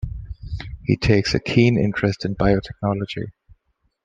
He takes a keen interest in biotechnology.